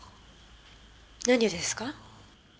何をですか？